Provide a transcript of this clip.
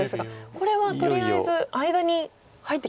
これはとりあえず間に入ってきましたか。